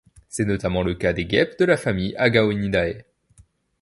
C’est notamment le cas des guêpes de la famille Agaonidae.